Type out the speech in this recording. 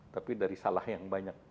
tapi dari salah yang banyak